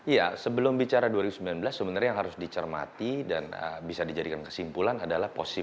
ya sebelum bicara dua ribu sembilan belas sebenarnya yang harus dicermati dan bisa dijadikan kesimpulan adalah posisi